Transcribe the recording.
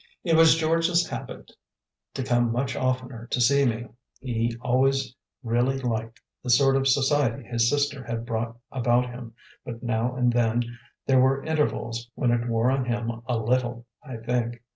It was George's habit to come much oftener to see me. He always really liked the sort of society his sister had brought about him; but now and then there were intervals when it wore on him a little, I think.